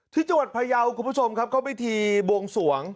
ที่จังหวัดพยาวคุณผู้ชมครับเขาพิธีบวงสวง